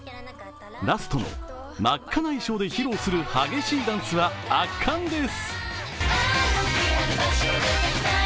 ラストの真っ赤な衣装で披露する激しいダンスは圧巻です。